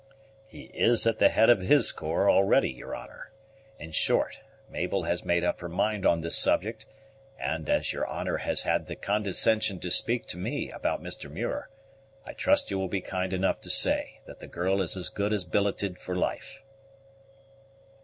"He is at the head of his corps already, your honor. In short, Mabel has made up her mind on this subject; and, as your honor has had the condescension to speak to me about Mr. Muir, I trust you will be kind enough to say that the girl is as good as billeted for life."